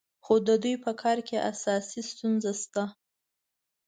خو د دوی په کار کې اساسي ستونزه شته.